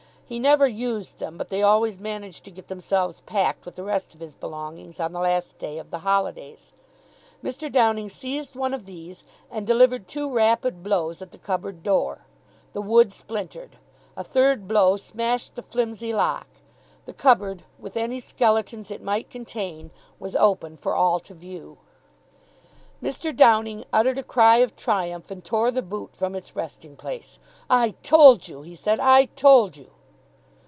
He never used them, but they always managed to get themselves packed with the rest of his belongings on the last day of the holidays. Mr. Downing seized one of these, and delivered two rapid blows at the cupboard door. The wood splintered. A third blow smashed the flimsy lock. The cupboard, with any skeletons it might contain, was open for all to view. Mr. Downing uttered a cry of triumph, and tore the boot from its resting place. "I told you," he said. "I told you."